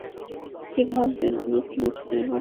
কী ভাবেন আমি কোনো সিনেমা তারকা?